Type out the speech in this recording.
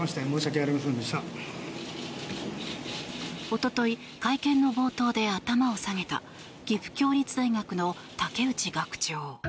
一昨日、会見の冒頭で頭を下げた岐阜協立大学の竹内学長。